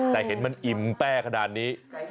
แต่เห็นมันอิ่มแป้ขนาดนี้